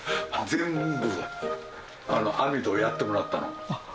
全部、網戸やってもらったの。